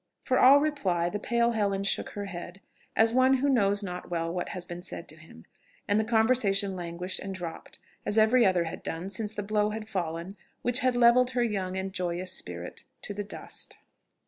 For all reply, the pale Helen shook her head, as one who knows not well what has been said to him; and the conversation languished and dropped, as every other had done since the blow had fallen which had levelled her young and joyous spirit to the dust.